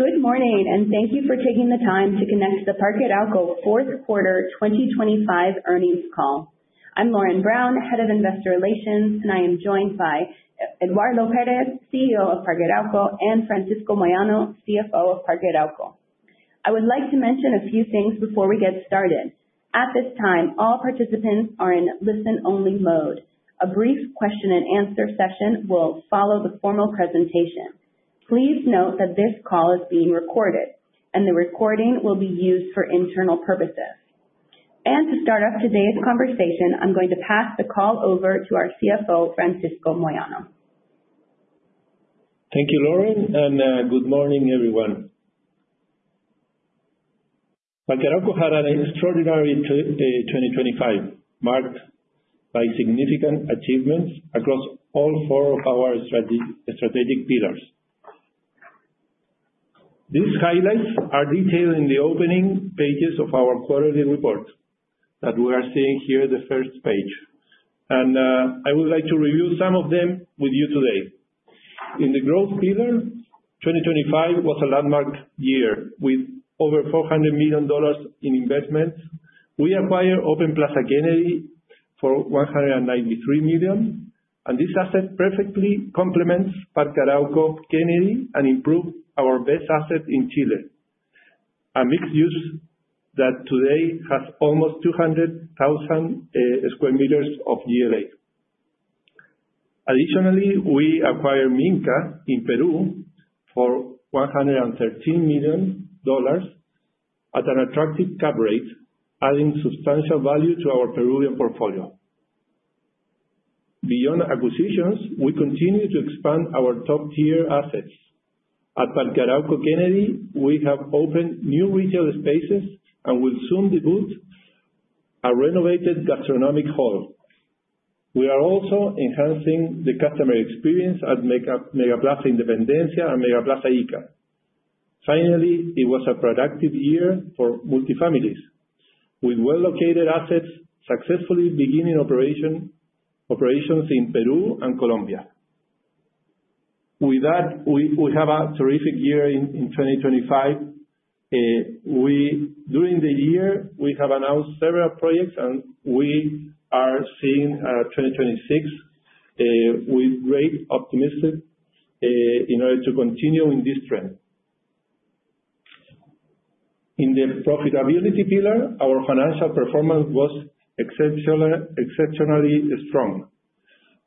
Good morning, and thank you for taking the time to connect to the Parque Arauco fourth quarter 2025 Earnings Call. I'm Lauren Brown, Head of Investor Relations, and I am joined by Eduardo Pérez, CEO of Parque Arauco, and Francisco Moyano, CFO of Parque Arauco. I would like to mention a few things before we get started. At this time, all participants are in listen-only mode. A brief question and answer session will follow the formal presentation. Please note that this call is being recorded, and the recording will be used for internal purposes. To start off today's conversation, I'm going to pass the call over to our CFO, Francisco Moyano. Thank you, Lauren, and good morning, everyone. Parque Arauco had an extraordinary 2025, marked by significant achievements across all four of our strategic pillars. These highlights are detailed in the opening pages of our quarterly report that we are seeing here, the first page. I would like to review some of them with you today. In the growth pillar, 2025 was a landmark year with over $400 million in investments. We acquired Open Plaza Kennedy for $193 million, and this asset perfectly complements Parque Arauco Kennedy and improved our best asset in Chile. A mixed-use that today has almost 200,000 sq m of GLA. Additionally, we acquired Minka in Peru for $113 million at an attractive cap rate, adding substantial value to our Peruvian portfolio. Beyond acquisitions, we continue to expand our top-tier assets. At Parque Arauco Kennedy, we have opened new retail spaces and will soon debut a renovated gastronomic hall. We are also enhancing the customer experience at Megaplaza Independencia and MegaPlaza Ica. Finally, it was a productive year for multi-families, with well-located assets successfully beginning operations in Peru and Colombia. With that, we have a terrific year in 2025. During the year, we have announced several projects, and we are seeing 2026 with great optimism in order to continue in this trend. In the profitability pillar, our financial performance was exceptionally strong.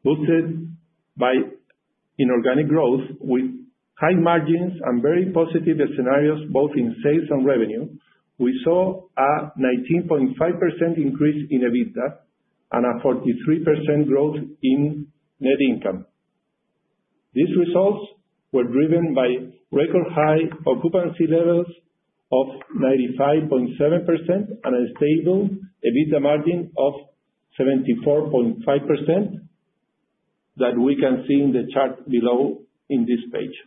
Boosted by inorganic growth with high margins and very positive scenarios both in sales and revenue, we saw a 19.5% increase in EBITDA and a 43% growth in net income. These results were driven by record high occupancy levels of 95.7% and a stable EBITDA margin of 74.5% that we can see in the chart below in this page.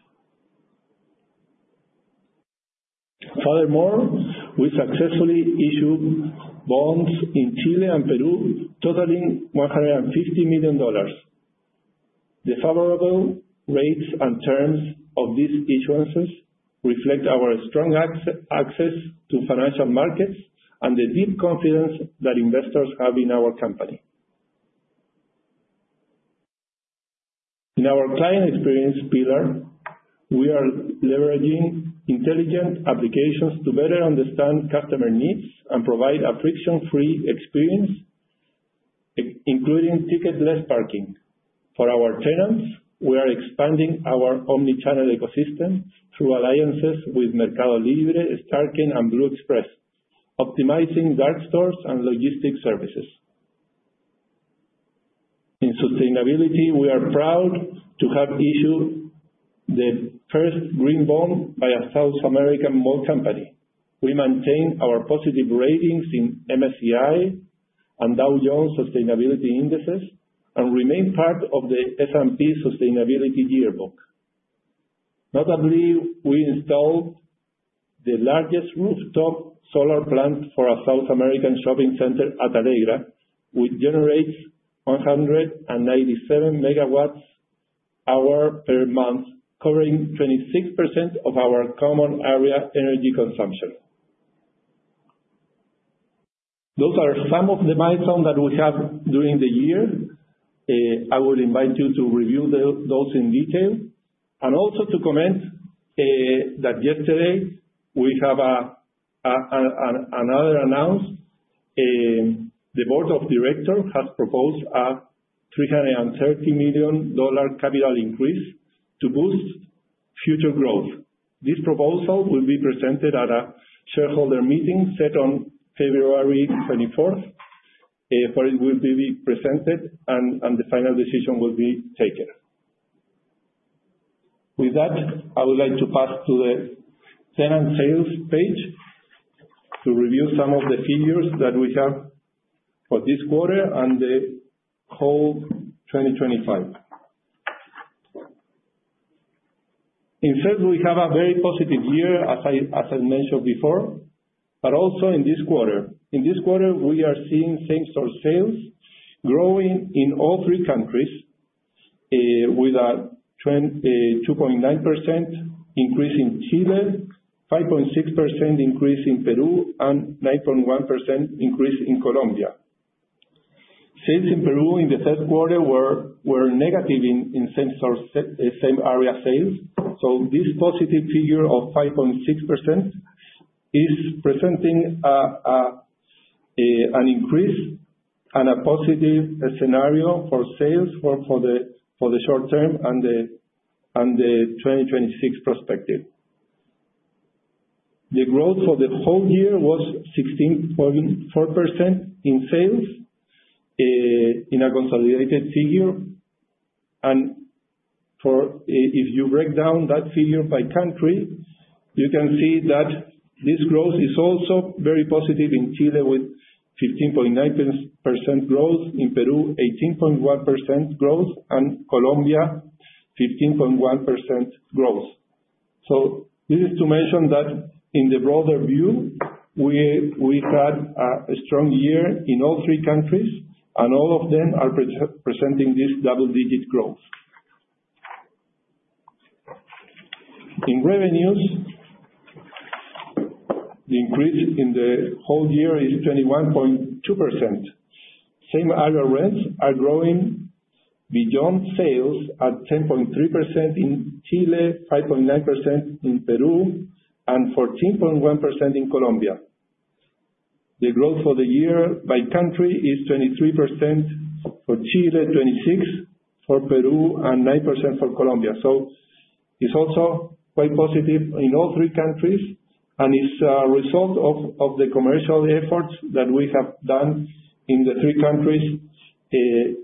Furthermore, we successfully issued bonds in Chile and Peru totalling $150 million. The favorable rates and terms of these issuances reflect our strong access to financial markets and the deep confidence that investors have in our company. In our client experience pillar, we are leveraging intelligent applications to better understand customer needs and provide a friction-free experience including ticketless parking. For our tenants, we are expanding our omnichannel ecosystem through alliances with Mercado Libre, Starken, and Blue Express, optimizing dark stores and logistics services. In sustainability, we are proud to have issued the first green bond by a South American mall company. We maintain our positive ratings in MSCI and Dow Jones Sustainability Indices and remain part of the S&P Sustainability Yearbook. Notably, we installed the largest rooftop solar plant for a South American shopping center at Alegra, which generates 197 megawatt-hours per month, covering 26% of our common area energy consumption. Those are some of the milestones that we have during the year. I would invite you to review those in detail. Also to comment that yesterday we have an another announcement. The board of directors has proposed a $330 million capital increase to boost future growth. This proposal will be presented at a shareholder meeting set on February 24th, where it will be presented and the final decision will be taken. With that, I would like to pass to the tenant sales page to review some of the figures that we have for this quarter and the whole 2025. In fact, we have a very positive year, as I mentioned before, but also in this quarter. In this quarter, we are seeing same-store sales growing in all three countries, with a 2.9% increase in Chile, 5.6% increase in Peru, and 9.1% increase in Colombia. Sales in Peru in the third quarter were negative in same-store sales. This positive figure of 5.6% is presenting an increase and a positive scenario for sales for the short term and the 2026 perspective. The growth for the whole year was 16.4% in sales, in a consolidated figure. If you break down that figure by country, you can see that this growth is also very positive in Chile with 15.9% growth, in Peru 18.1% growth, and Colombia 15.1% growth. This is to mention that in the broader view, we've had a strong year in all three countries, and all of them are presenting this double-digit growth. In revenues, the increase in the whole year is 21.2%. Same-store rents are growing beyond sales at 10.3% in Chile, 5.9% in Peru, and 14.1% in Colombia. The growth for the year by country is 23% for Chile, 26% for Peru, and 9% for Colombia. It's also quite positive in all three countries and is a result of the commercial efforts that we have done in the three countries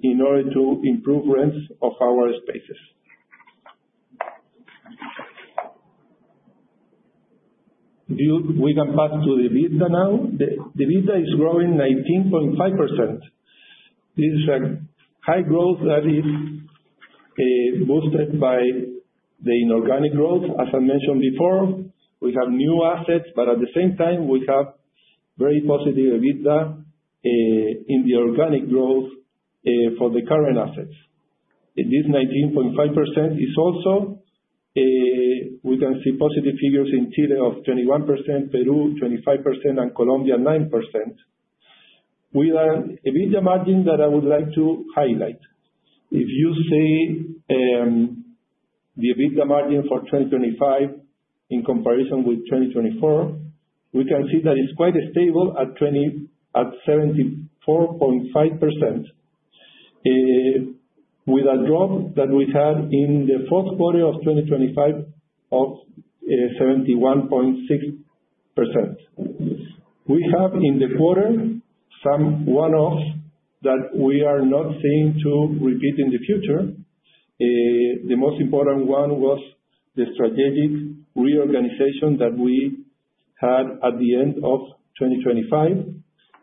in order to improve rents of our spaces. We can pass to the EBITDA now. The EBITDA is growing 19.5%. This is a high growth that is boosted by the inorganic growth. As I mentioned before, we have new assets, but at the same time, we have very positive EBITDA in the organic growth for the current assets. In this 19.5% is also we can see positive figures in Chile of 21%, Peru 25%, and Colombia 9%. With EBITDA margin that I would like to highlight. If you see the EBITDA margin for 2025 in comparison with 2024, we can see that it's quite stable at 74.5%, with a drop that we had in the fourth quarter of 2025 of 71.6%. We have in the quarter some one-offs that we are not expecting to repeat in the future. The most important one was the strategic reorganization that we had at the end of 2025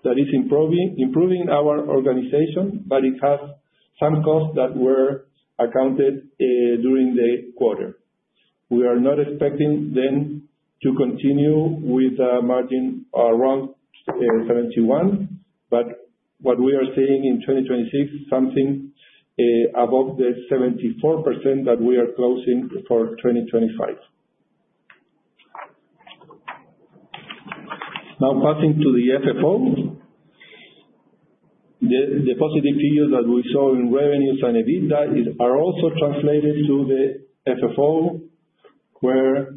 that is improving our organization, but it has some costs that were accounted during the quarter. We are not expecting then to continue with a margin around 71%, but what we are seeing in 2026, something above the 74% that we are closing for 2025. Now passing to the FFO. The positive figures that we saw in revenues and EBITDA are also translated to the FFO, where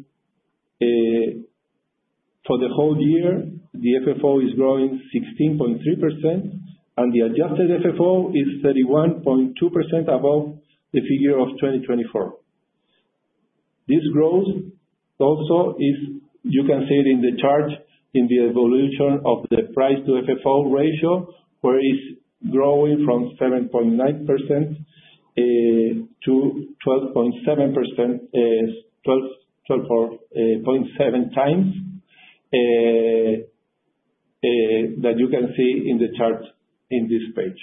for the whole year, the FFO is growing 16.3%, and the adjusted FFO is 31.2% above the figure of 2024. This growth also. You can see it in the chart in the evolution of the price to FFO ratio, where it's growing from 7.9% to 12.7% that you can see in the chart on this page.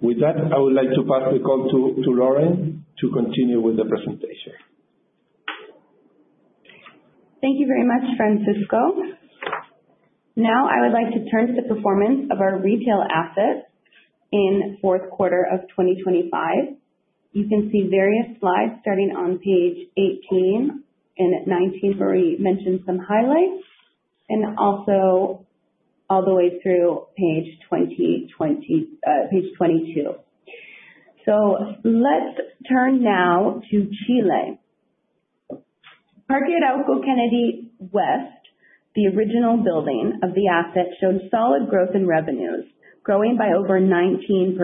With that, I would like to pass the call to Lauren to continue with the presentation. Thank you very much, Francisco. Now I would like to turn to the performance of our retail assets in fourth quarter of 2025. You can see various slides starting on page 18 and 19, where we mention some highlights, and also all the way through page 22. Let's turn now to Chile. Parque Arauco Kennedy West, the original building of the asset, showed solid growth in revenues, growing by over 19%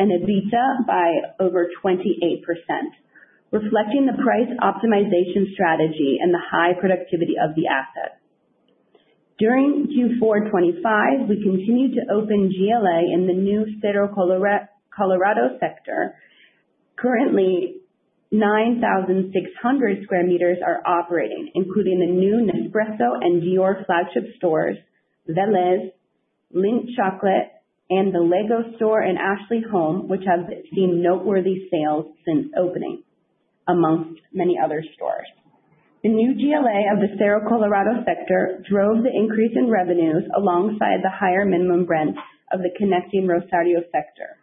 and EBITDA by over 28%, reflecting the price optimization strategy and the high productivity of the asset. During Q4 2025, we continued to open GLA in the new Cerro Colorado sector. Currently, 9,600 sq m are operating, including the new Nespresso and Dior flagship stores, Vélez, Lindt Chocolate, and The Lego Store and Ashley Home, which have seen noteworthy sales since opening, among many other stores. The new GLA of the Cerro Colorado sector drove the increase in revenues alongside the higher minimum rents of the connecting Rosario sector.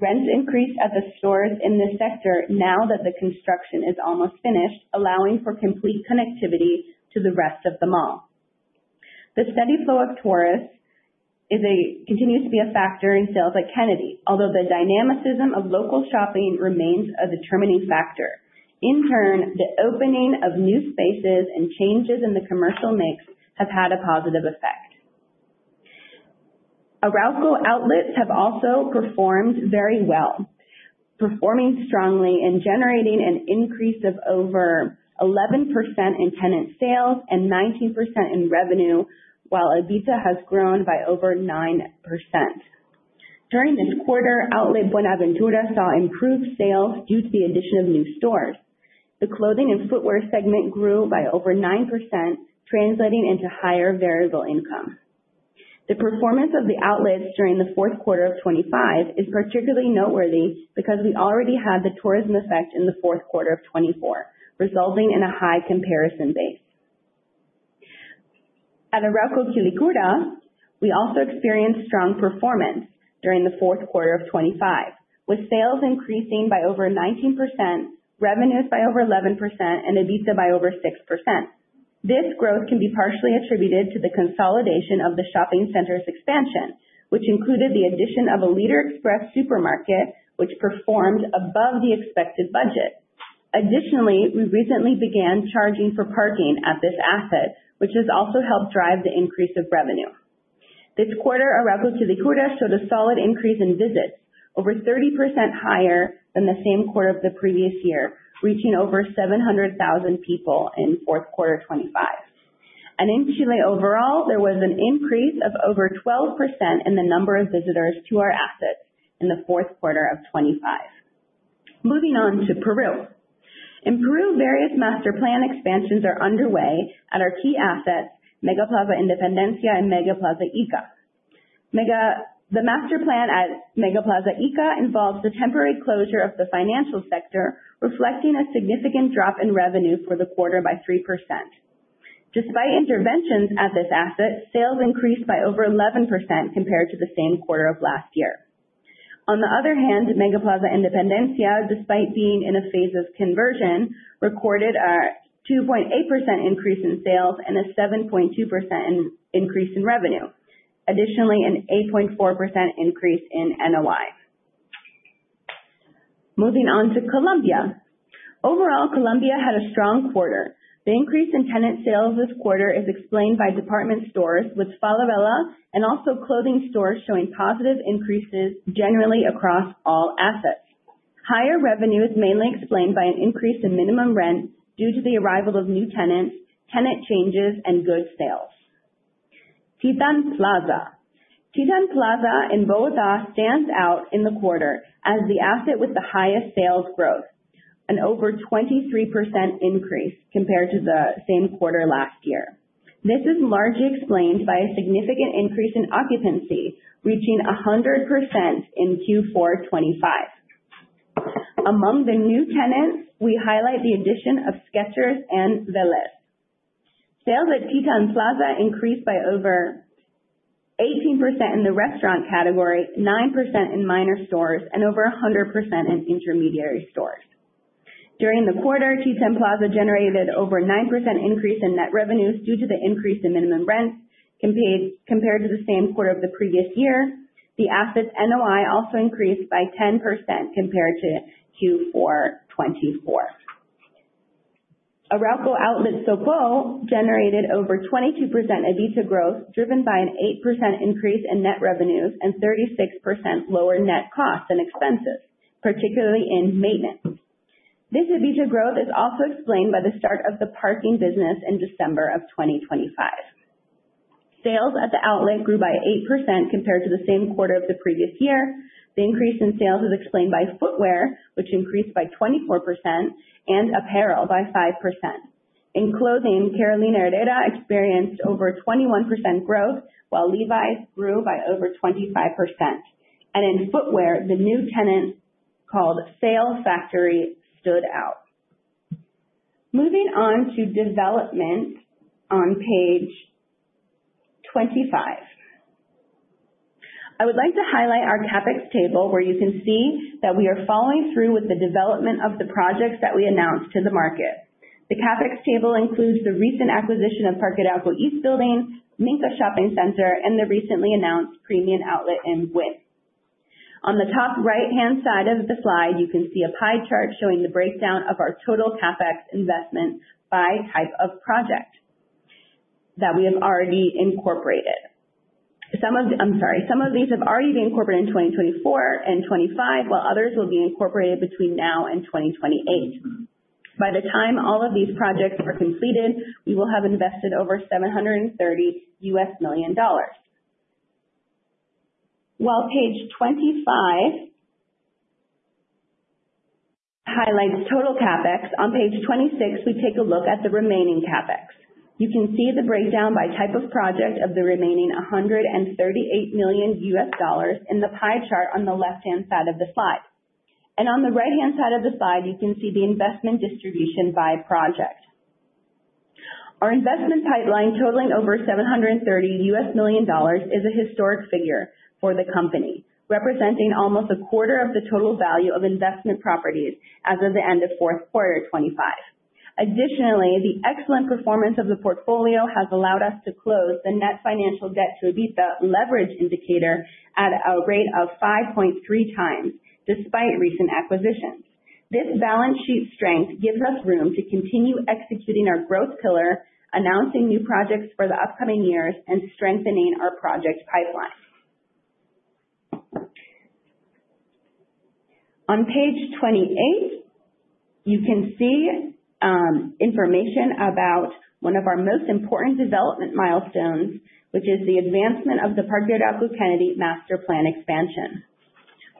Rents increased at the stores in this sector now that the construction is almost finished, allowing for complete connectivity to the rest of the mall. The steady flow of tourists continues to be a factor in sales at Kennedy, although the dynamism of local shopping remains a determining factor. In turn, the opening of new spaces and changes in the commercial mix have had a positive effect. Arauco Outlets have also performed very well, performing strongly and generating an increase of over 11% in tenant sales and 19% in revenue, while EBITDA has grown by over 9%. During this quarter, Outlet Buenaventura saw improved sales due to the addition of new stores. The clothing and footwear segment grew by over 9%, translating into higher variable income. The performance of the outlets during the fourth quarter of 2025 is particularly noteworthy because we already had the tourism effect in the fourth quarter of 2024, resulting in a high comparison base. At Arauco Quilicura, we also experienced strong performance during the fourth quarter of 2025, with sales increasing by over 19%, revenues by over 11%, and EBITDA by over 6%. This growth can be partially attributed to the consolidation of the shopping center's expansion, which included the addition of a Líder Express supermarket, which performed above the expected budget. Additionally, we recently began charging for parking at this asset, which has also helped drive the increase of revenue. This quarter, Arauco Quilicura showed a solid increase in visits, over 30% higher than the same quarter of the previous year, reaching over 700,000 people in fourth quarter 2025. In Chile overall, there was an increase of over 12% in the number of visitors to our assets in the fourth quarter of 2025. Moving on to Peru. In Peru, various master plan expansions are underway at our key assets, MegaPlaza Independencia and MegaPlaza Ica. Mega... The master plan at MegaPlaza Ica involves the temporary closure of the financial sector, reflecting a significant drop in revenue for the quarter by 3%. Despite interventions at this asset, sales increased by over 11% compared to the same quarter of last year. On the other hand, MegaPlaza Independencia, despite being in a phase of conversion, recorded a 2.8% increase in sales and a 7.2% increase in revenue. Additionally, an 8.4% increase in NOI. Moving on to Colombia. Overall, Colombia had a strong quarter. The increase in tenant sales this quarter is explained by department stores with Falabella and also clothing stores showing positive increases generally across all assets. Higher revenue is mainly explained by an increase in minimum rent due to the arrival of new tenants, tenant changes, and good sales. Titán Plaza. Titán Plaza in Bogotá stands out in the quarter as the asset with the highest sales growth, an over 23% increase compared to the same quarter last year. This is largely explained by a significant increase in occupancy, reaching 100% in Q4 2025. Among the new tenants, we highlight the addition of Skechers and Vélez. Sales at Titán Plaza increased by over 18% in the restaurant category, 9% in minor stores, and over 100% in intermediary stores. During the quarter, Titán Plaza generated over 9% increase in net revenues due to the increase in minimum rents compared to the same quarter of the previous year. The asset's NOI also increased by 10% compared to Q4 2024. Arauco Outlet Sopó generated over 22% EBITDA growth, driven by an 8% increase in net revenues and 36% lower net costs and expenses, particularly in maintenance. This EBITDA growth is also explained by the start of the parking business in December of 2025. Sales at the outlet grew by 8% compared to the same quarter of the previous year. The increase in sales is explained by footwear, which increased by 24%, and apparel by 5%. In clothing, Carolina Herrera experienced over 21% growth, while Levi's grew by over 25%. In footwear, the new tenant called Sale Factory stood out. Moving on to development on page 25. I would like to highlight our CapEx table, where you can see that we are following through with the development of the projects that we announced to the market. The CapEx table includes the recent acquisition of Parque Arauco East Building, Minka Shopping Center, and the recently announced Premium Outlet in Buin. On the top right-hand side of the slide, you can see a pie chart showing the breakdown of our total CapEx investment by type of project that we have already incorporated. Some of these have already been incorporated in 2024 and 2025, while others will be incorporated between now and 2028. By the time all of these projects are completed, we will have invested over $730 million. While page 25 highlights total CapEx, on page 26 we take a look at the remaining CapEx. You can see the breakdown by type of project of the remaining $138 million in the pie chart on the left-hand side of the slide. On the right-hand side of the slide, you can see the investment distribution by project. Our investment pipeline totalling over $730 million is a historic figure for the company, representing almost a quarter of the total value of investment properties as of the end of fourth quarter 2025. Additionally, the excellent performance of the portfolio has allowed us to close the net financial debt to EBITDA leverage indicator at a rate of 5.3x, despite recent acquisitions. This balance sheet strength gives us room to continue executing our growth pillar, announcing new projects for the upcoming years and strengthening our project pipeline. On page 28, you can see information about one of our most important development milestones, which is the advancement of the Parque Arauco Kennedy master plan expansion.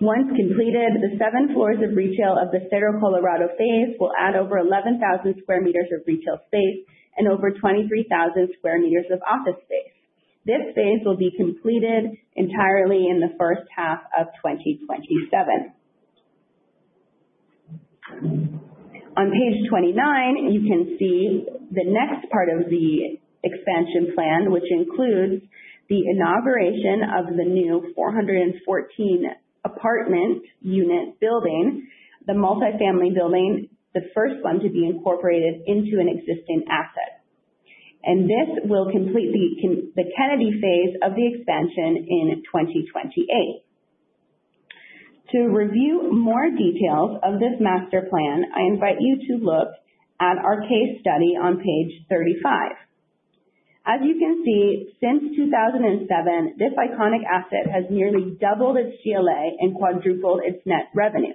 Once completed, the seven floors of retail of the Cerro Colorado phase will add over 11,000 sq m of retail space and over 23,000 sq m of office space. This phase will be completed entirely in the first half of 2027. On page 29, you can see the next part of the expansion plan, which includes the inauguration of the new 414 apartment unit building, the multi-family building, the first one to be incorporated into an existing asset. This will complete the Kennedy phase of the expansion in 2028. To review more details of this master plan, I invite you to look at our case study on page 35. As you can see, since 2007, this iconic asset has nearly doubled its GLA and quadrupled its net revenue.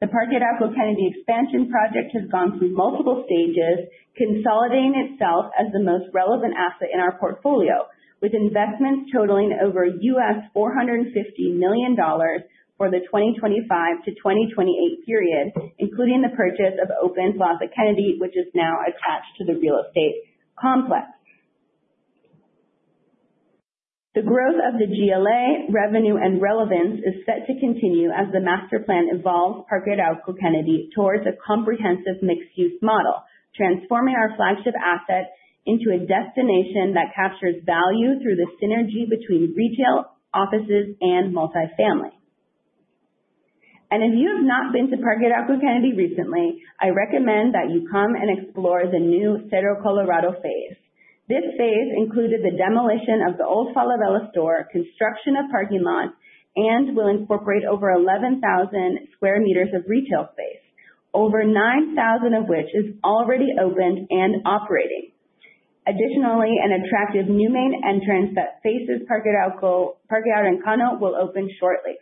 The Parque Arauco Kennedy expansion project has gone through multiple stages, consolidating itself as the most relevant asset in our portfolio, with investments totalling over $450 million for the 2025-2028 period, including the purchase of Open Plaza Kennedy, which is now attached to the real estate complex. The growth of the GLA revenue and relevance is set to continue as the master plan evolves Parque Arauco Kennedy towards a comprehensive mixed-use model, transforming our flagship asset into a destination that captures value through the synergy between retail, offices, and multi-family. If you have not been to Parque Arauco Kennedy recently, I recommend that you come and explore the new Cerro Colorado phase. This phase included the demolition of the old Falabella store, construction of parking lots, and will incorporate over 11,000 sq m of retail space, over 9,000 sq m of which is already opened and operating. Additionally, an attractive new main entrance that faces Parque Arauco will open shortly.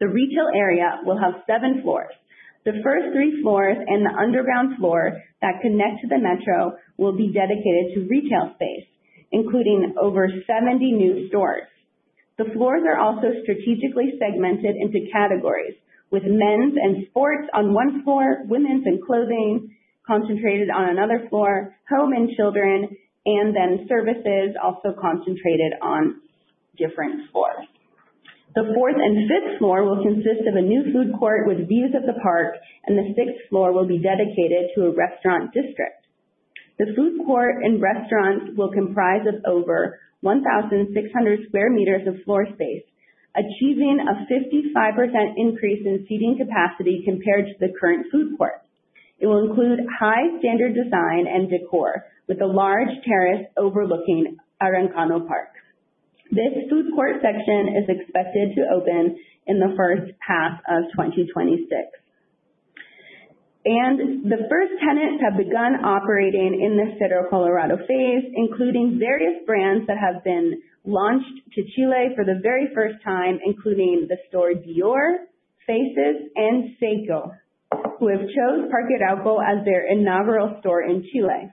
The retail area will have seven floors. The first three floors and the underground floor that connect to the metro will be dedicated to retail space, including over 70 new stores. The floors are also strategically segmented into categories, with men's and sports on one floor, women's and clothing concentrated on another floor, home and children, and then services also concentrated on different floors. The fourth and fifth floor will consist of a new food court with views of the park, and the sixth floor will be dedicated to a restaurant district. The food court and restaurant will comprise of over 1,600 sq m of floor space, achieving a 55% increase in seating capacity compared to the current food court. It will include high standard design and decor, with a large terrace overlooking Araucano Park. This food court section is expected to open in the first half of 2026. The first tenants have begun operating in the Cerro Colorado phase, including various brands that have been launched to Chile for the very first time, including the store Dior, Faces, and Seiko, who have chose Parque Arauco as their inaugural store in Chile.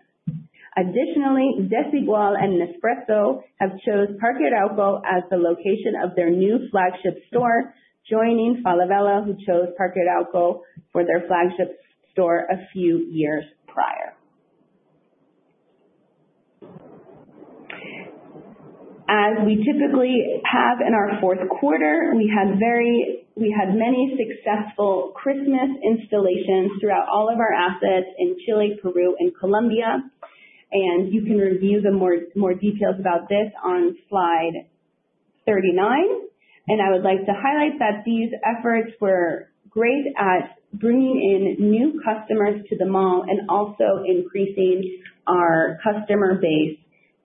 Additionally, Desigual and Nespresso have chose Parque Arauco as the location of their new flagship store, joining Falabella, who chose Parque Arauco for their flagship store a few years prior. As we typically have in our fourth quarter, we had many successful Christmas installations throughout all of our assets in Chile, Peru, and Colombia. You can review the more details about this on slide 39. I would like to highlight that these efforts were great at bringing in new customers to the mall and also increasing our customer base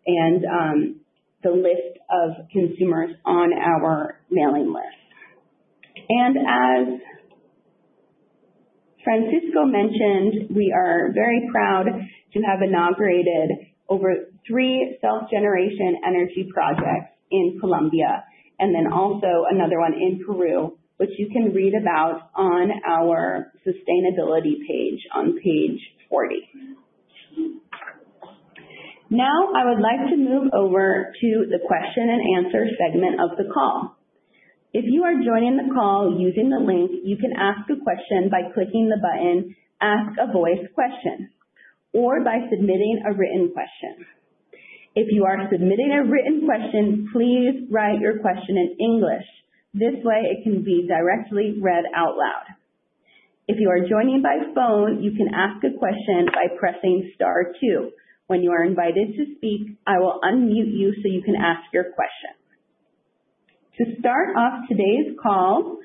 and the list of consumers on our mailing list. As Francisco mentioned, we are very proud to have inaugurated over three self-generation energy projects in Colombia and then also another one in Peru, which you can read about on our sustainability page on page 40. Now I would like to move over to the question and answer segment of the call. If you are joining the call using the link, you can ask a question by clicking the button, "Ask a Voice Question" or by submitting a written question. If you are submitting a written question, please write your question in English. This way it can be directly read out loud. If you are joining by phone, you can ask a question by pressing star two. When you are invited to speak, I will unmute you so you can ask your question. To start off today's call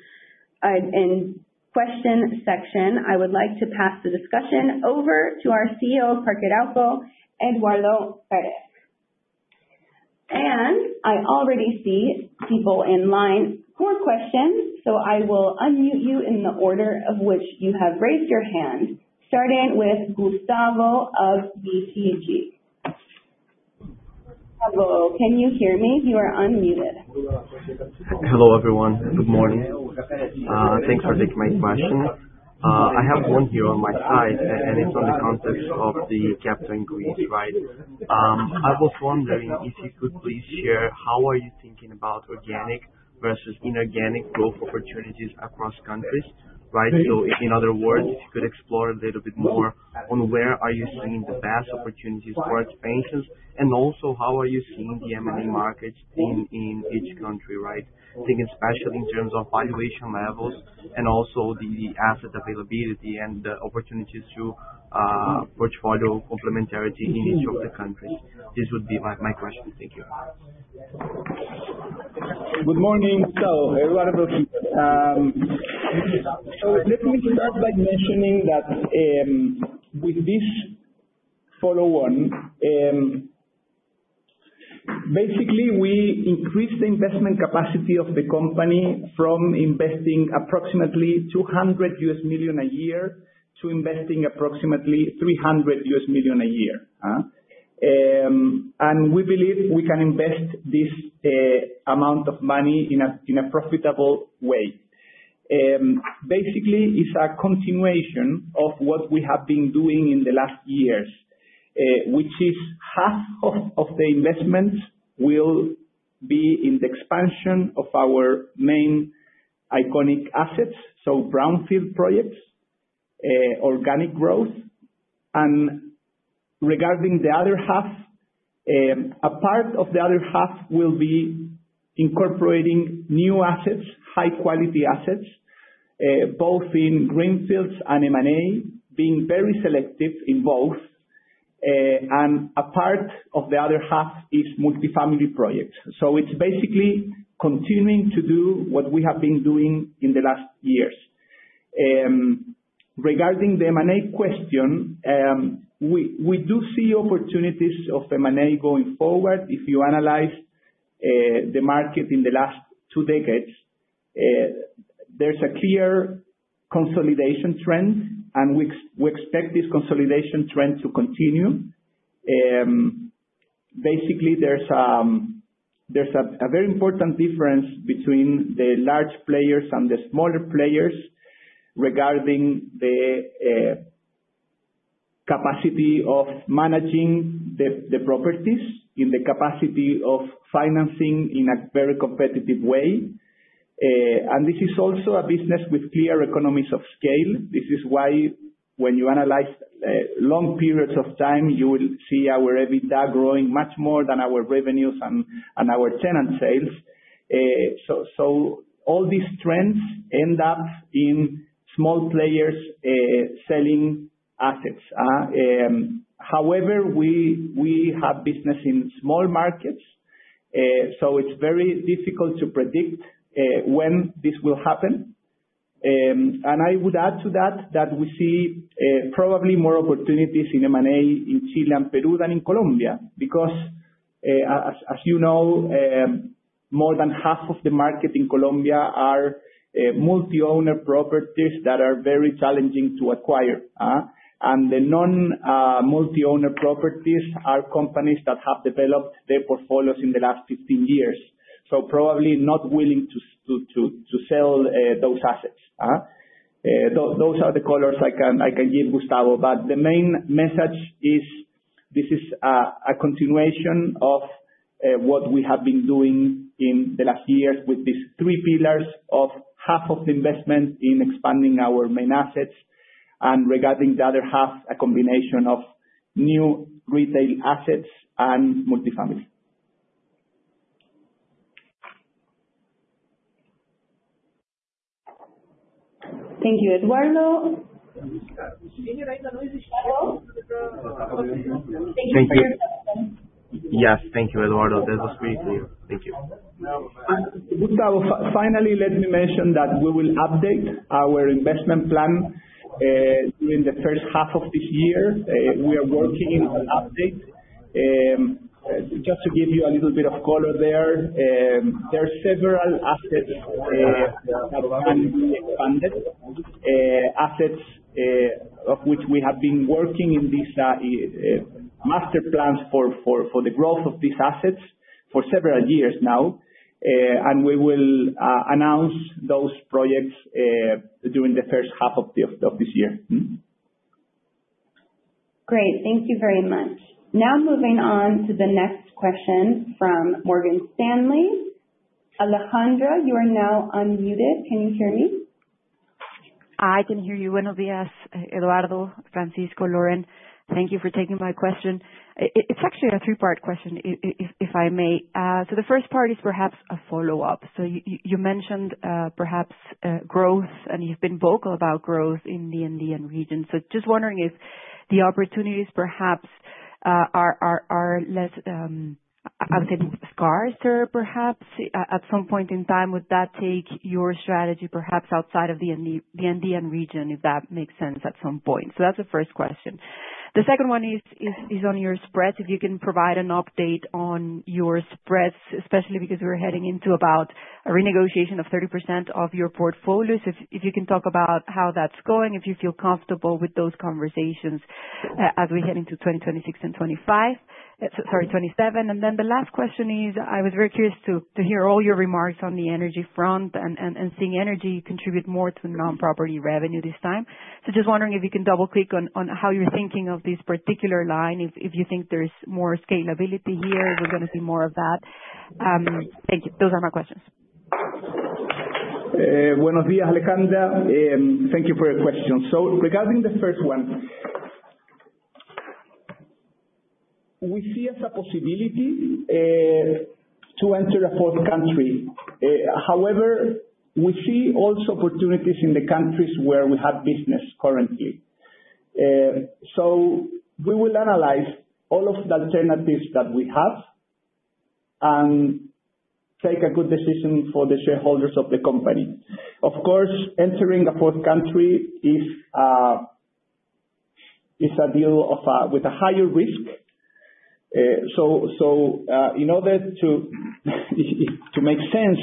and question section, I would like to pass the discussion over to our CEO, Parque Arauco, Eduardo Pérez. I already see people in line for questions, so I will unmute you in the order of which you have raised your hand, starting with Gustavo of BTG. Gustavo, can you hear me? You are unmuted. Hello, everyone. Good morning. Thanks for taking my question. I have one here on my side, and it's on the context of the capital increase, right? I was wondering if you could please share how are you thinking about organic versus inorganic growth opportunities across countries, right? So in other words, you could explore a little bit more on where are you seeing the best opportunities for expansions and also how are you seeing the M&A markets in each country, right? Thinking especially in terms of valuation levels and also the asset availability and the opportunities to portfolio complementarity in each of the countries. This would be my question. Thank you. Good morning, Gustavo. Let me start by mentioning that, with this follow-on, basically we increase the investment capacity of the company from investing approximately $200 million a year to investing approximately $300 million a year. We believe we can invest this amount of money in a profitable way. Basically it's a continuation of what we have been doing in the last years, which is half of the investments will be in the expansion of our main iconic assets, so brownfield projects, organic growth. Regarding the other half, a part of the other half will be incorporating new assets, high quality assets, both in greenfields and M&A, being very selective in both. A part of the other half is multi-family projects. It's basically continuing to do what we have been doing in the last years. Regarding the M&A question, we do see opportunities of M&A going forward. If you analyze the market in the last two decades, there's a clear consolidation trend, and we expect this consolidation trend to continue. Basically there's a very important difference between the large players and the smaller players regarding the capacity of managing the properties and the capacity of financing in a very competitive way. This is also a business with clear economies of scale. This is why when you analyze long periods of time, you will see our EBITDA growing much more than our revenues and our tenant sales. All these trends end up in small players selling assets. However, we have business in small markets, so it's very difficult to predict when this will happen. I would add to that that we see probably more opportunities in M&A in Chile and Peru than in Colombia because, as you know, more than half of the market in Colombia are multi-owner properties that are very challenging to acquire, and the non-multi-owner properties are companies that have developed their portfolios in the last 15 years, so probably not willing to sell those assets. Those are the colors I can give, Gustavo, but the main message is this is a continuation of what we have been doing in the last years with these three pillars of half of the investment in expanding our main assets and regarding the other half, a combination of new retail assets and multifamily. Thank you, Eduardo. Eduardo? Thank you. Yes, thank you, Eduardo. That was great, clear. Thank you. Gustavo, finally, let me mention that we will update our investment plan during the first half of this year. We are working on an update. Just to give you a little bit of color there are several assets that can be expanded. Assets of which we have been working on these master plans for the growth of these assets for several years now. We will announce those projects during the first half of this year. Great. Thank you very much. Now moving on to the next question from Morgan Stanley. Alejandra, you are now unmuted. Can you hear me? I can hear you well. Buenos días, Eduardo, Francisco, Lauren. Thank you for taking my question. It's actually a three-part question if I may. The first part is perhaps a follow-up. You mentioned, perhaps, growth, and you've been vocal about growth in the Andean region. Just wondering if the opportunities perhaps are less, I would say scarcer perhaps at some point in time. Would that take your strategy perhaps outside of the Andean region, if that makes sense at some point? That's the first question. The second one is on your spreads. If you can provide an update on your spreads, especially because we're heading into about a renegotiation of 30% of your portfolios. If you can talk about how that's going, if you feel comfortable with those conversations as we head into 2026 and 2027. Then the last question is, I was very curious to hear all your remarks on the energy front and seeing energy contribute more to non-property revenue this time. Just wondering if you can double-click on how you're thinking of this particular line, if you think there's more scalability here, if we're gonna see more of that. Thank you. Those are my questions. Buenos días, Alejandra. Thank you for your question. Regarding the first one, we see as a possibility to enter a fourth country. However, we see also opportunities in the countries where we have business currently. We will analyze all of the alternatives that we have and take a good decision for the shareholders of the company. Of course, entering a fourth country is a deal with a higher risk. In order to make sense,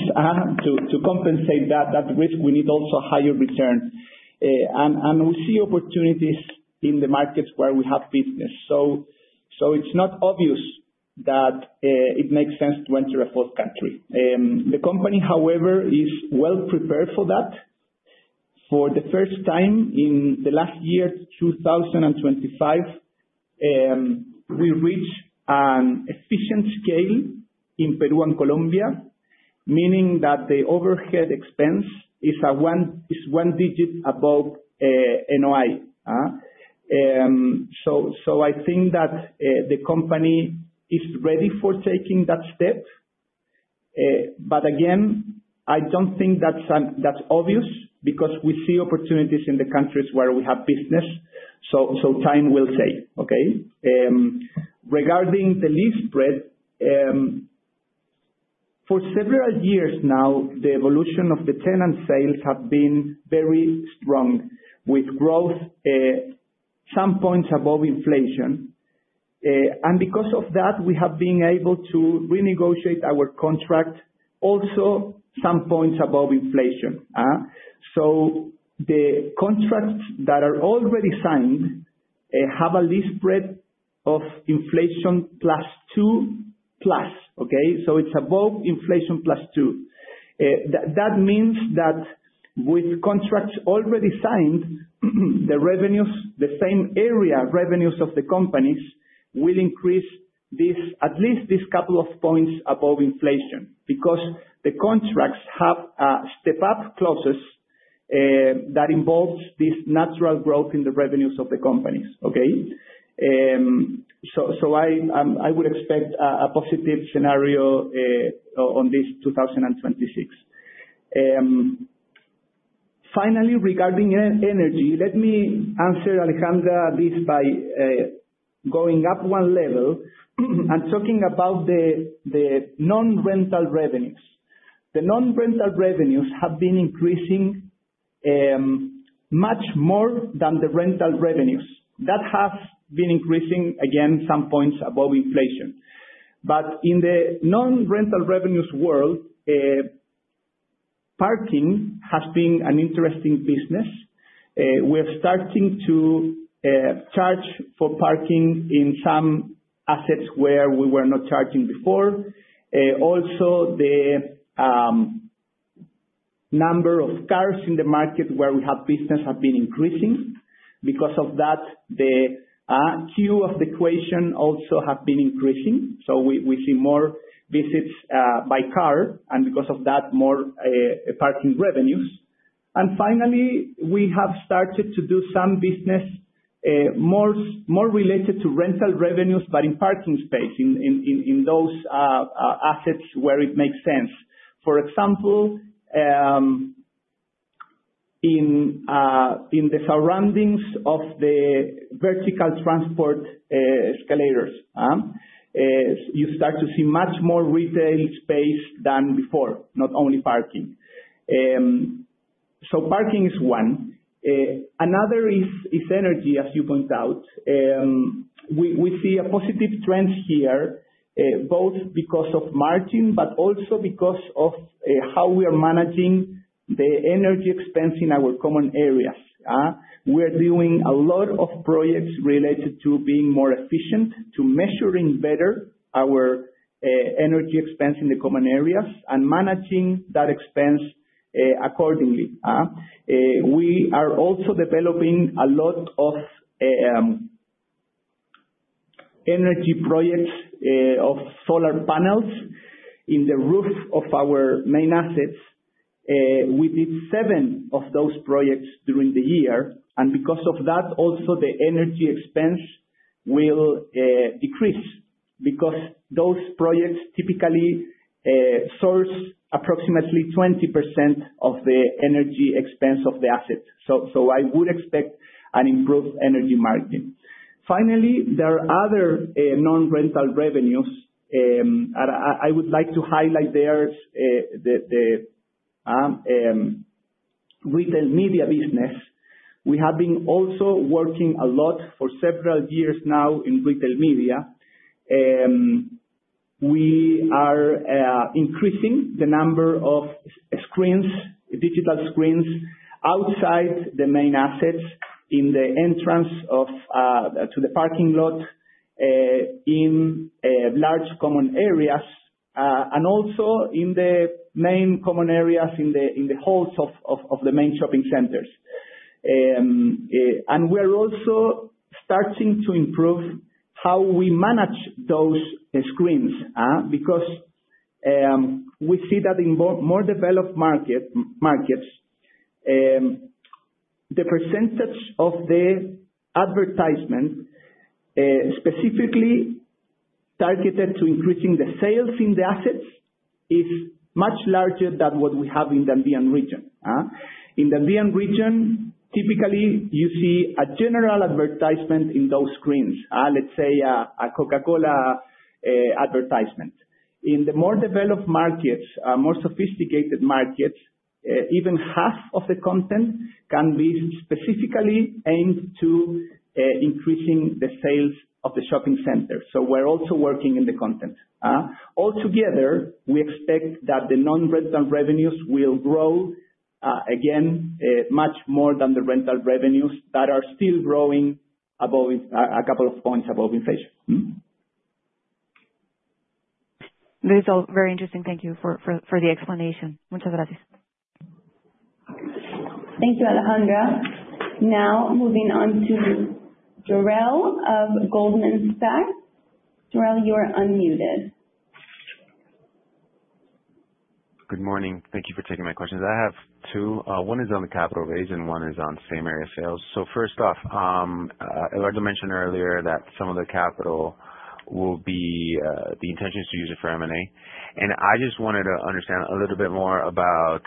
to compensate that risk, we need also higher returns. We see opportunities in the markets where we have business. It's not obvious that it makes sense to enter a fourth country. The company, however, is well prepared for that. For the first time in the last year, 2025, we reached an efficient scale in Peru and Colombia, meaning that the overhead expense is one digit above NOI. I think that the company is ready for taking that step. Again, I don't think that's obvious because we see opportunities in the countries where we have business. Time will tell. Okay. Regarding the leasing spread, for several years now, the evolution of the tenant sales have been very strong with growth some points above inflation. Because of that, we have been able to renegotiate our contract also some points above inflation. The contracts that are already signed have a leasing spread of inflation +2. Okay. It's above inflation +2. That means that with contracts already signed, the revenues, the same area revenues of the companies will increase at least a couple of points above inflation. Because the contracts have step-up clauses that involves this natural growth in the revenues of the companies. I would expect a positive scenario on 2026. Finally, regarding energy, let me answer Alejandra this by going up one level and talking about the non-rental revenues. The non-rental revenues have been increasing much more than the rental revenues. That has been increasing, again, some points above inflation. In the non-rental revenues world, parking has been an interesting business. We're starting to charge for parking in some assets where we were not charging before. Also the number of cars in the market where we have business have been increasing. Because of that, the other side of the equation also have been increasing. We see more visits by car, and because of that, more parking revenues. Finally, we have started to do some business more related to rental revenues, but in parking space, in those assets where it makes sense. For example, in the surroundings of the vertical transport, escalators, you start to see much more retail space than before, not only parking. Parking is one. Another is energy, as you point out. We see a positive trend here, both because of margin, but also because of how we are managing the energy expense in our common areas. We're doing a lot of projects related to being more efficient, to measuring better our energy expense in the common areas and managing that expense, accordingly. We are also developing a lot of energy projects of solar panels in the roof of our main assets. We did seven of those projects during the year, and because of that, also the energy expense will decrease. Because those projects typically source approximately 20% of the energy expense of the asset. I would expect an improved energy margin. Finally, there are other non-rental revenues. I would like to highlight there's the retail media business. We have been also working a lot for several years now in retail media. We are increasing the number of screens, digital screens outside the main assets in the entrance to the parking lot, in large common areas, and also in the main common areas in the halls of the main shopping centers. We're also starting to improve how we manage those screens, because we see that in more developed markets, the percentage of the advertisement specifically targeted to increasing the sales in the assets is much larger than what we have in the Andean region. In the Andean region, typically you see a general advertisement in those screens. Let's say a Coca-Cola advertisement. In the more developed markets, more sophisticated markets, even half of the content can be specifically aimed to increasing the sales of the shopping center. We're also working in the content. All together, we expect that the non-rental revenues will grow again much more than the rental revenues that are still growing above a couple of points above inflation. This is all very interesting. Thank you for the explanation. Muchas gracias. Thank you, Alejandra. Now moving on to Jorel of Goldman Sachs. Jorel, you are unmuted. Good morning. Thank you for taking my questions. I have two. One is on the capital raise, and one is on same-store sales. First off, Eduardo mentioned earlier that some of the capital will be, the intention is to use it for M&A. I just wanted to understand a little bit more about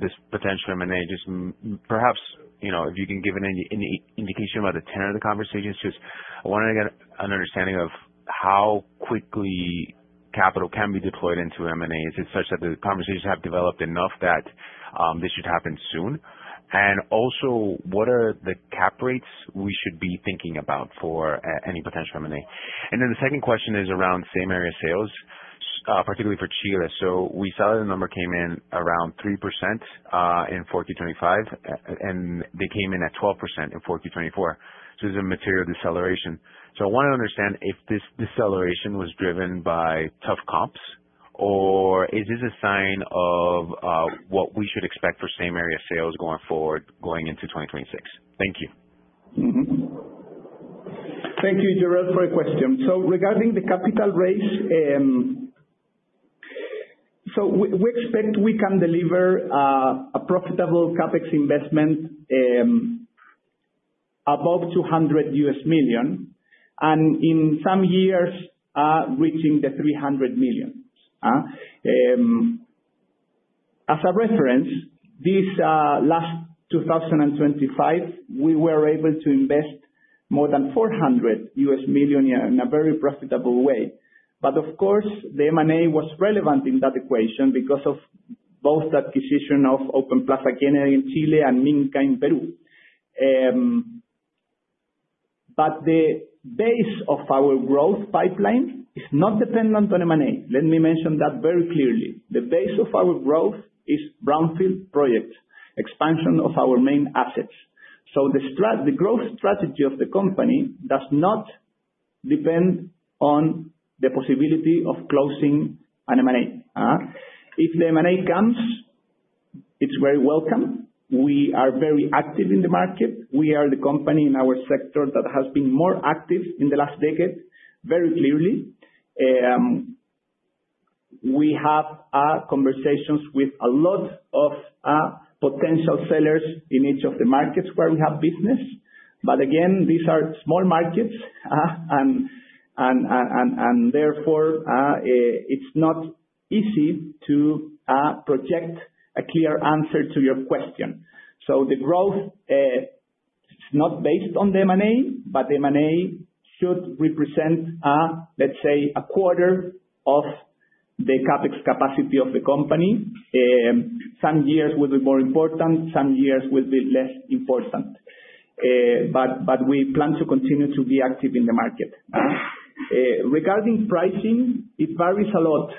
this potential M&A. Perhaps, you know, if you can give any indication about the tenor of the conversations. I wanted to get an understanding of how quickly capital can be deployed into M&A. Is it such that the conversations have developed enough that this should happen soon? Also, what are the cap rates we should be thinking about for any potential M&A? Then the second question is around same-store sales, particularly for Chile. We saw the number came in around 3%, and they came in at 12% in 2024. This is a material deceleration. I wanna understand if this deceleration was driven by tough comps, or is this a sign of what we should expect for same-store sales going forward going into 2026? Thank you. Mm-hmm. Thank you, Jorel, for the question. Regarding the capital raise, we expect we can deliver a profitable CapEx investment above $200 million, and in some years, reaching $300 million. As a reference, this last 2025, we were able to invest more than $400 million, yeah, in a very profitable way. Of course, the M&A was relevant in that equation because of both acquisition of Open Plaza in Chile and Minka in Peru. The base of our growth pipeline is not dependent on M&A. Let me mention that very clearly. The base of our growth is brownfield projects, expansion of our main assets. The growth strategy of the company does not depend on the possibility of closing an M&A. If the M&A comes, it's very welcome. We are very active in the market. We are the company in our sector that has been more active in the last decade, very clearly. We have conversations with a lot of potential sellers in each of the markets where we have business. Again, these are small markets, and therefore, it's not easy to project a clear answer to your question. The growth is not based on the M&A, but the M&A should represent, let's say a quarter of the CapEx capacity of the company. Some years will be more important, some years will be less important. We plan to continue to be active in the market. Regarding pricing, it varies a lot.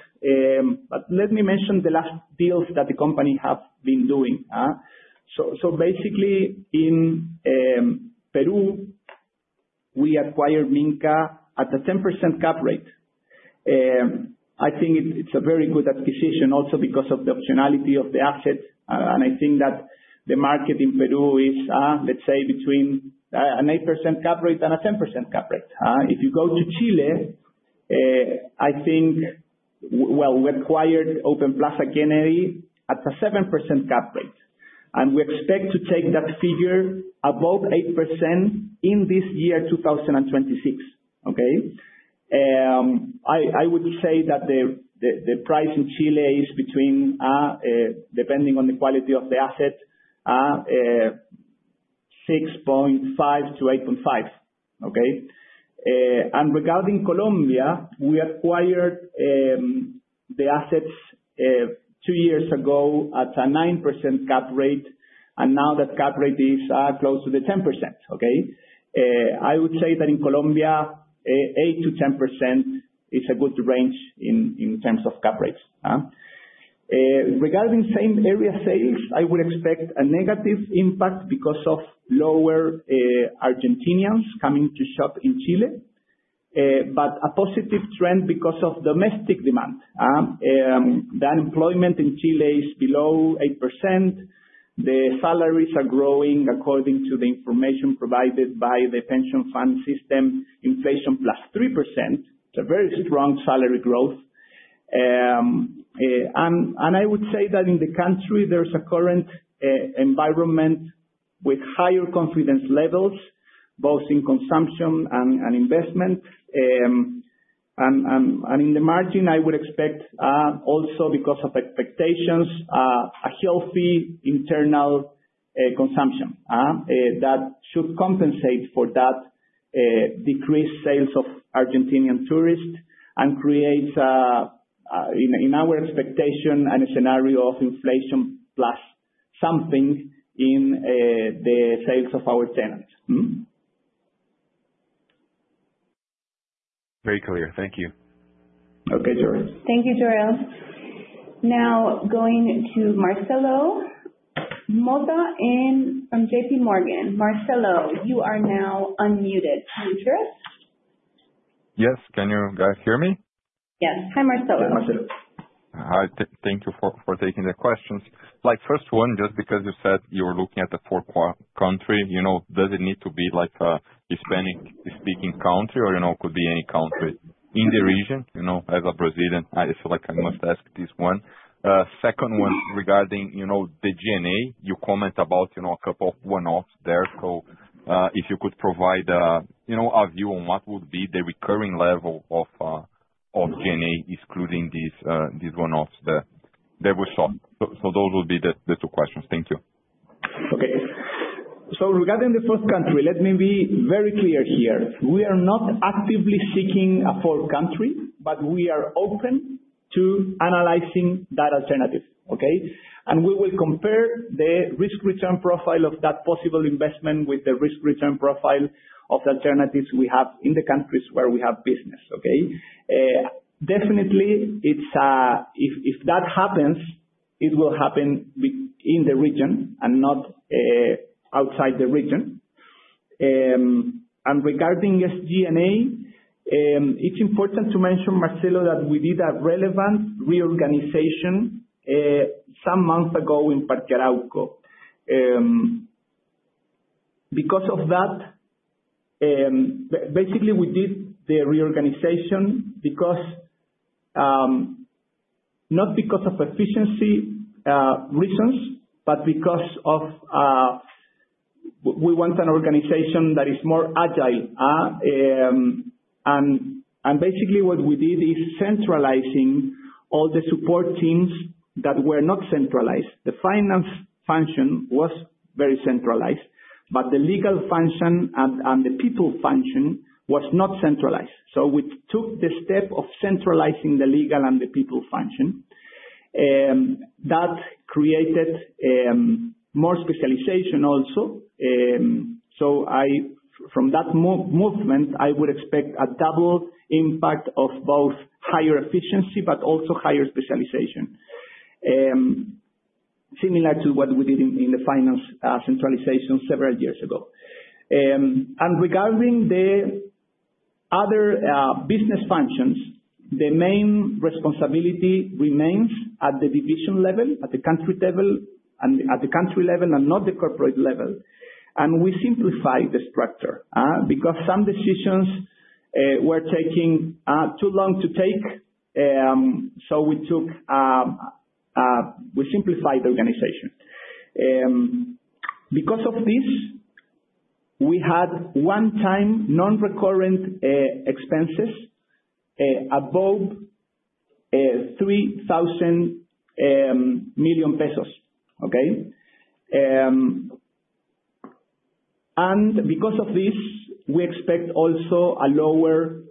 Let me mention the last deals that the company have been doing. Basically in Peru, we acquired Minka at a 10% cap rate. I think it's a very good acquisition also because of the optionality of the assets. I think that the market in Peru is, let's say, between an 8% cap rate and a 10% cap rate. If you go to Chile, I think, well, we acquired Open Plaza Kennedy at a 7% cap rate, and we expect to take that figure above 8% in this year, 2026, okay? I would say that the price in Chile is between, depending on the quality of the asset, 6.5%-8.5%, okay? Regarding Colombia, we acquired the assets two years ago at a 9% cap rate, and now that cap rate is close to the 10%, okay? I would say that in Colombia, 8%-10% is a good range in terms of cap rates. Regarding same-store sales, I would expect a negative impact because of lower Argentinians coming to shop in Chile, but a positive trend because of domestic demand. The unemployment in Chile is below 8%. The salaries are growing according to the information provided by the pension fund system, inflation plus 3%. It's a very strong salary growth. I would say that in the country there's a current environment with higher confidence levels, both in consumption and investment. In the margin, I would expect, also because of expectations, a healthy internal consumption that should compensate for the decreased sales of Argentine tourists and an increase in our expectation and a scenario of inflation plus something in the sales of our tenants. Very clear. Thank you. Okay, Jorel Guilloty. Thank you, Jorel. Now going to Marcelo Motta from JP Morgan. Marcelo, you are now unmuted. Interesting. Yes. Can you guys hear me? Yes. Hi, Marcelo. Hi, Marcelo. Hi. Thank you for taking the questions. Like, first one, just because you said you're looking at the fourth country, you know, does it need to be like a Hispanic speaking country or, you know, could be any country in the region? You know, as a Brazilian, I feel like I must ask this one. Second one regarding, you know, the G&A. You comment about, you know, a couple of one-offs there. So, if you could provide, you know, a view on what would be the recurring level of G&A excluding these one-offs that were sold. So those would be the two questions. Thank you. Okay. Regarding the first country, let me be very clear here. We are not actively seeking a fourth country, but we are open to analyzing that alternative, okay? We will compare the risk return profile of that possible investment with the risk return profile of alternatives we have in the countries where we have business, okay? Definitely it's. If that happens, it will happen in the region and not outside the region. Regarding SG&A, it's important to mention, Marcelo, that we did a relevant reorganization some months ago in Parque Arauco. Because of that, basically we did the reorganization because not because of efficiency reasons, but because of we want an organization that is more agile. Basically what we did is centralizing all the support teams that were not centralized. The finance function was very centralized, but the legal function and the people function was not centralized. We took the step of centralizing the legal and the people function. That created more specialization also. From that movement, I would expect a double impact of both higher efficiency but also higher specialization. Similar to what we did in the finance centralization several years ago. Regarding the other business functions, the main responsibility remains at the division level, at the country table, at the country level and not the corporate level. We simplified the structure because some decisions were taking too long to take. We simplified the organization. Because of this, we had one-time nonrecurrent expenses above CLP 3,000 million, okay? Because of this, we expect also a lower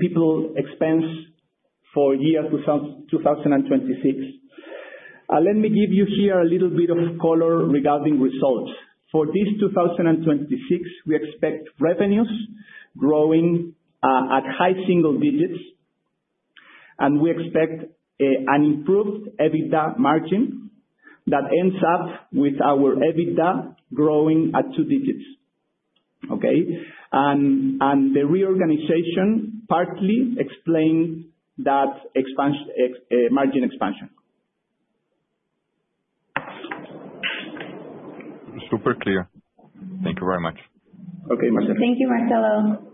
people expense for year 2026. Let me give you here a little bit of color regarding results. For 2026, we expect revenues growing at high single digits%. We expect an improved EBITDA margin that ends up with our EBITDA growing at two digits%, okay? The reorganization partly explain that margin expansion. Super clear. Thank you very much. Okay, Marcelo. Thank you, Marcelo.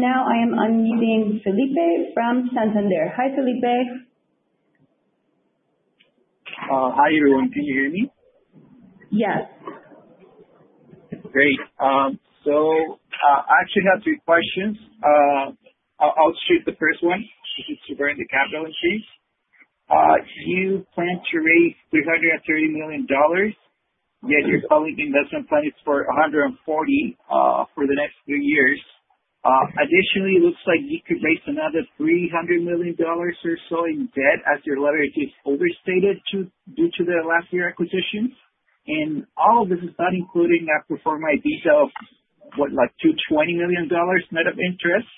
Now I am unmuting Felipe from Santander. Hi, Felipe. Hi, everyone. Can you hear me? Yes. Great. I actually have three questions. I'll shoot the first one regarding the capital increase. Do you plan to raise $330 million but your investment plans are for $140 million for the next three years? Additionally, it looks like you could raise another $300 million or so in debt as your leverage is overstated due to last year's acquisitions. All of this is not including that perpetual debt of about $220 million net of interest.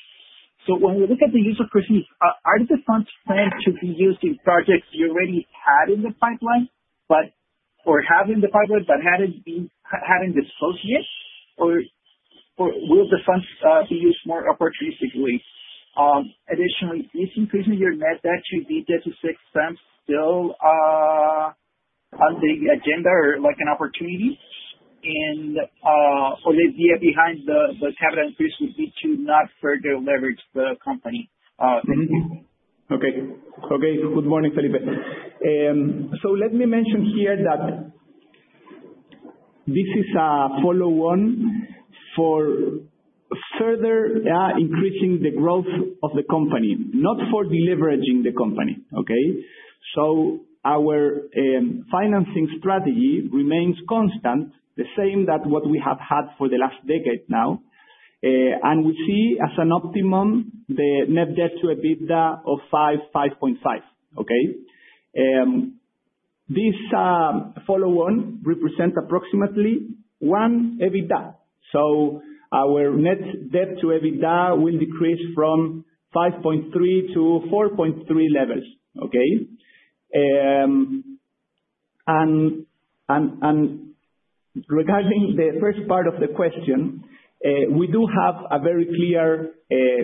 When we look at the use of proceeds, are the funds planned to be used in projects you already had in the pipeline or have in the pipeline but haven't disclosed yet or will the funds be used more opportunistically? Additionally, is increasing your net debt to EBITDA to 6x still on the agenda or like an opportunity? The idea behind the capital increase would be to not further leverage the company. Good morning, Felipe. Let me mention here that this is a follow on for further, yeah, increasing the growth of the company, not for deleveraging the company, okay? Our financing strategy remains constant, the same that what we have had for the last decade now. We see as an optimum the net debt to EBITDA of 5-5.5, okay? This follow on represent approximately 1 EBITDA. Our net debt to EBITDA will decrease from 5.3-4.3 levels, okay? Regarding the first part of the question, we do have a very clear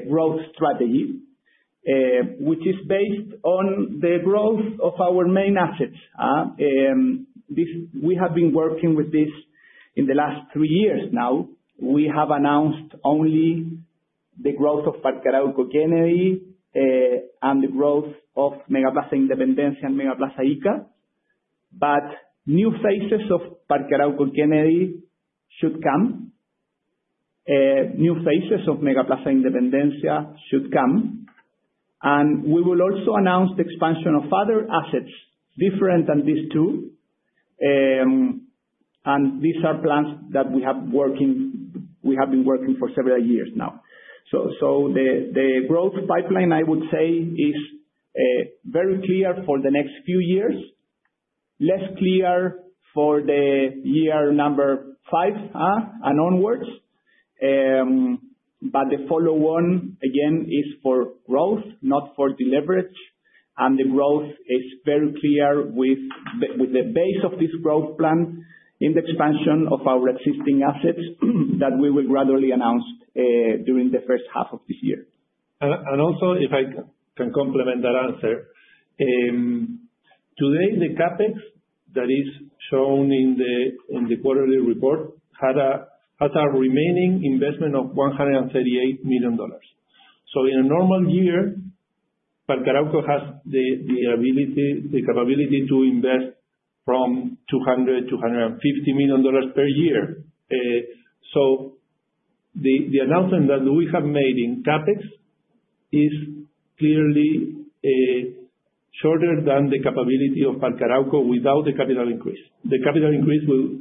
growth strategy, which is based on the growth of our main assets. We have been working with this in the last three years now. We have announced only the growth of Parque Arauco Kennedy and the growth of MegaPlaza Independencia and MegaPlaza Ica. New phases of Parque Arauco Kennedy should come. New phases of MegaPlaza Independencia should come. We will also announce the expansion of other assets different than these two. These are plans that we have been working for several years now. The growth pipeline I would say is very clear for the next few years, less clear for the year number five and onwards. The follow-on, again, is for growth, not for deleverage. The growth is very clear with the base of this growth plan in the expansion of our existing assets that we will gradually announce during the first half of this year. If I can complement that answer. Today, the CapEx that is shown in the quarterly report had a remaining investment of $138 million. In a normal year, Parque Arauco has the ability, the capability to invest from $200-$250 million per year. The announcement that we have made in CapEx is clearly shorter than the capability of Parque Arauco without the capital increase. The capital increase will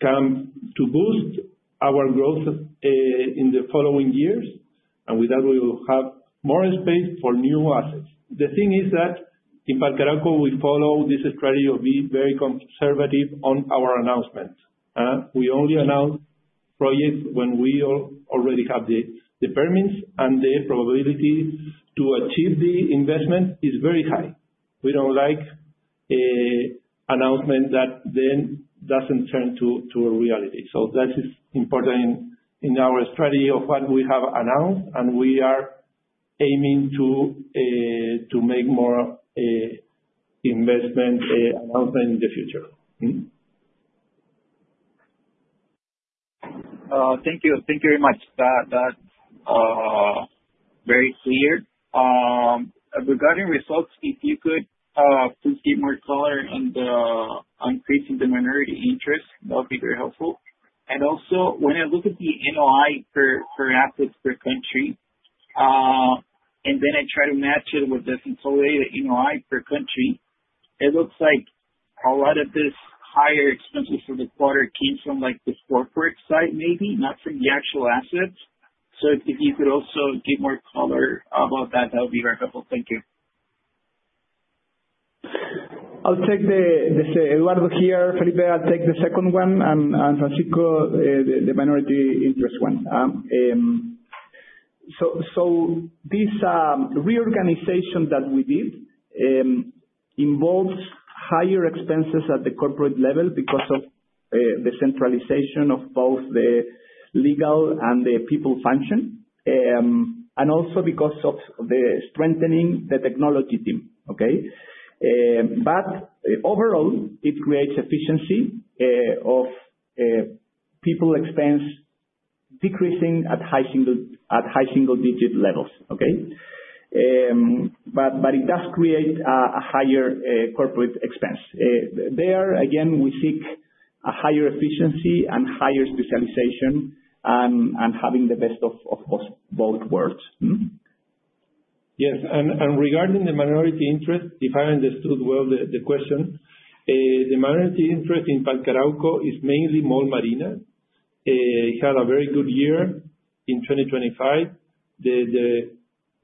come to boost our growth in the following years, and with that we will have more space for new assets. The thing is that in Parque Arauco we follow the strategy of being very conservative on our announcements. We only announce projects when we already have the permits and the probability to achieve the investment is very high. We don't like announcement that then doesn't turn to a reality. That is important in our strategy of what we have announced, and we are aiming to make more investment announcement in the future. Thank you. Thank you very much. That very clear. Regarding results, if you could please give more color on the increasing the minority interest, that would be very helpful. Also, when I look at the NOI for assets per country, and then I try to match it with this adjusted NOI per country, it looks like a lot of this higher expenses for the quarter came from like the corporate side, maybe not from the actual assets. If you could also give more color about that would be very helpful. Thank you. I'll take the first, Eduardo here. Felipe, I'll take the second one, and Francisco, the minority interest one. This reorganization that we did involves higher expenses at the corporate level because of the centralization of both the legal and the people function, and also because of the strengthening the technology team. Okay. Overall, it creates efficiency of people expense decreasing at high single-digit levels. Okay. It does create a higher corporate expense. There again, we seek a higher efficiency and higher specialization and having the best of course both worlds. Yes. Regarding the minority interest, if I understood well the question, the minority interest in Parque Arauco is mainly Mall Marina. It had a very good year in 2025. The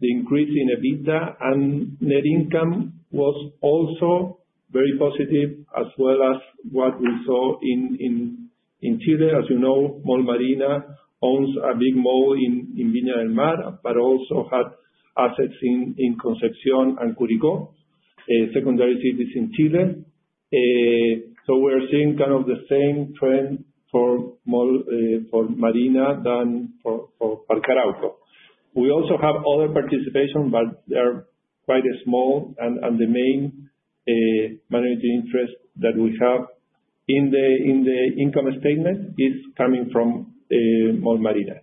increase in EBITDA and net income was also very positive as well as what we saw in Chile. As you know, Mall Marina owns a big mall in Viña del Mar, but also has assets in Concepción and Curicó, secondary cities in Chile. So we're seeing kind of the same trend for Mall Marina than for Parque Arauco. We also have other participation, but they're quite small and the main minority interest that we have in the income statement is coming from Mall Marina.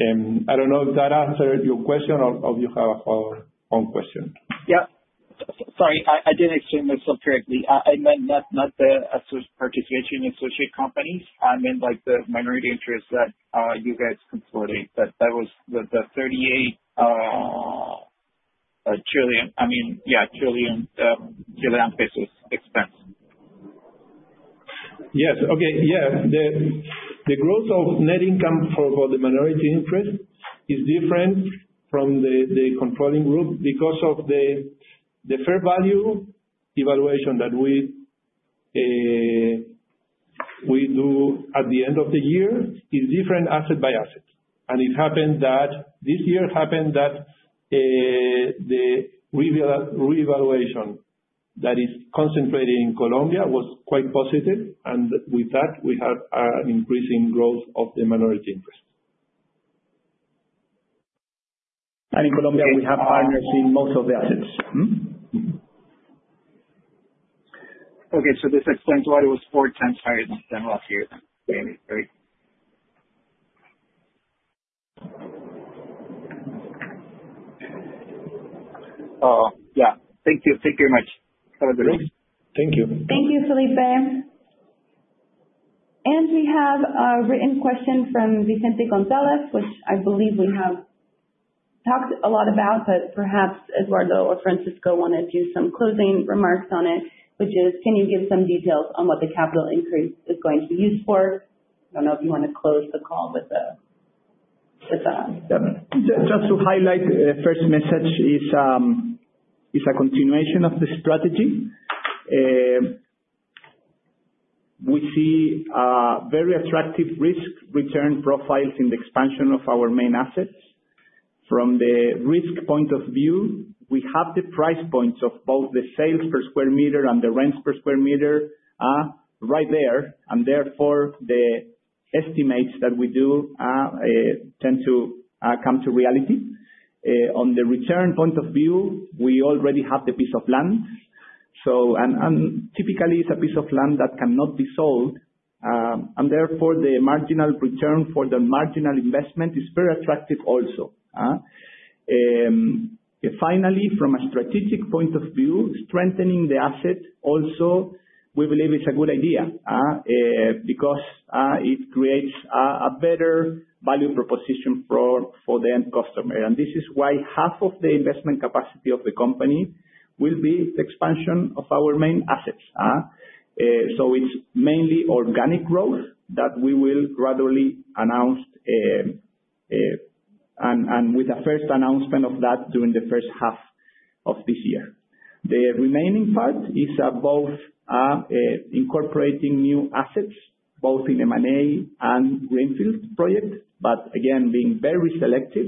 I don't know if that answered your question or you have your own question. Yeah. Sorry, I didn't assume myself correctly. I meant not the participation associate companies. I meant like the minority interest that you guys consolidate. That was the CLP 38 trillion expense. Yes. Okay. Yeah. The growth of net income for the minority interest is different from the controlling group because of the fair value revaluation that we do at the end of the year is different asset by asset. It happened that this year the revaluation that is concentrated in Colombia was quite positive, and with that we had an increasing growth of the minority interest. In Colombia, we have partners in most of the assets. Okay. This explains why it was four times higher than last year then, right? Yeah. Thank you. Thank you very much. Have a good day. Thank you. Thank you, Felipe. We have a written question from Vicente González, which I believe we have talked a lot about, but perhaps Eduardo or Francisco wanna do some closing remarks on it, which is: Can you give some details on what the capital increase is going to be used for? I don't know if you wanna close the call with. Just to highlight, the first message is a continuation of the strategy. We see very attractive risk-return profiles in the expansion of our main assets. From the risk point of view, we have the price points of both the sales per square meter and the rents per square meter right there, and therefore the estimates that we do tend to come to reality. On the return point of view, we already have the piece of land. Typically it's a piece of land that cannot be sold, and therefore the marginal return for the marginal investment is very attractive also. Finally, from a strategic point of view, strengthening the assets also, we believe is a good idea because it creates a better value proposition for the end customer. This is why half of the investment capacity of the company will be the expansion of our main assets. It's mainly organic growth that we will gradually announce, and with the first announcement of that during the first half of this year. The remaining part is both incorporating new assets both in M&A and greenfield projects, but again, being very selective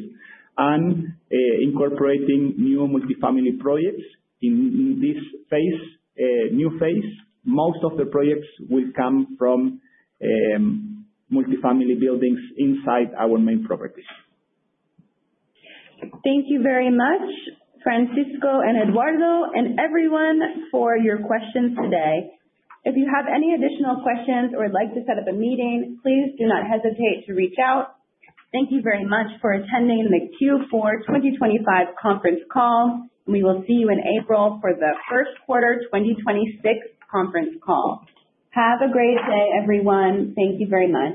and incorporating new multifamily projects in this new phase. Most of the projects will come from multifamily buildings inside our main properties. Thank you very much, Francisco and Eduardo and everyone for your questions today. If you have any additional questions or would like to set up a meeting, please do not hesitate to reach out. Thank you very much for attending the Q4 2025 conference call. We will see you in April for the first quarter 2026 conference call. Have a great day, everyone. Thank you very much.